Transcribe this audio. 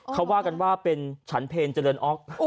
เขาว่ากันว่าเป็นฉันเพลเจริญออก